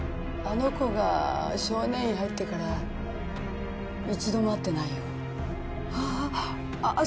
あの子が少年院入ってから一度も会ってないよあああっ